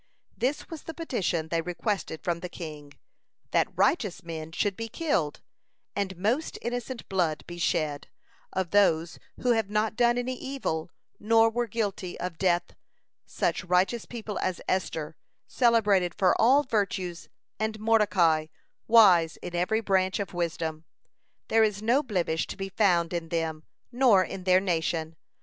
This was the petition they requested from the king: that righteous men should be killed, and most innocent blood be shed, of those who have not done any evil, nor were guilty of death such righteous people as Esther, celebrated for all virtues, and Mordecai, wise in every branch of wisdom, there is no blemish to be found in them nor in their nation.